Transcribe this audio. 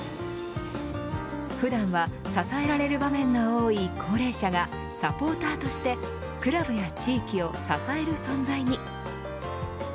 普段は支えられる場面の多い高齢者がサポーターとしてクラブや地域を支える存在に。